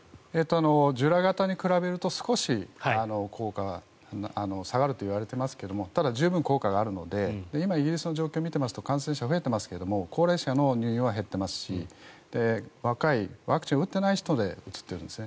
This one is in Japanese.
従来型に比べると少し効果は下がるといわれていますがただ、十分効果があるので今、イギリスの状況を見ていますと感染者は増えていますが高齢者の入院は減っていますし若いワクチンを打ってない人でうつってるんですね。